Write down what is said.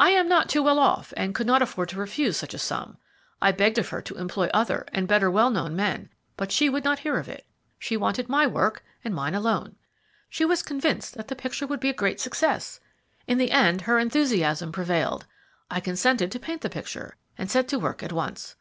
"I am not too well off, and could not afford to refuse such a sum. I begged of her to employ other and better known men, but she would not hear of it she wanted my work, and mine alone. She was convinced that the picture would be a great success. In the end her enthusiasm prevailed. I consented to paint the picture, and set to work at once.